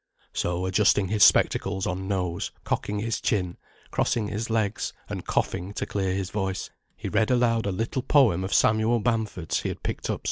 ] So adjusting his spectacles on nose, cocking his chin, crossing his legs, and coughing to clear his voice, he read aloud a little poem of Samuel Bamford's he had picked up somewhere.